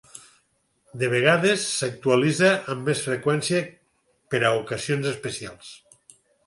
De vegades s'actualitza amb més freqüència per a ocasions especials.